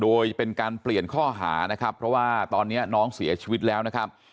โดยเป็นการเปลี่ยนข้อหานะครับเพราะว่าตอนนี้น้องเสียชีวิตแล้วนะครับ